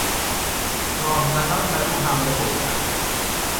راهزنان بر او حمله بردند.